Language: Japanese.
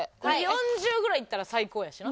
４０ぐらいいったら最高やしな。